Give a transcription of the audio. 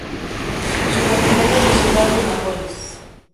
Su capital es la ciudad de Nápoles.